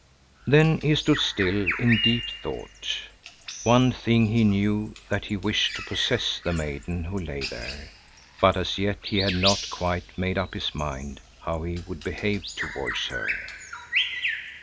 Then he stood still in deep thought. One thing he knew, that he wished to possess the maiden who lay there; but as yet he had not quite made up his mind how he would behave towards her.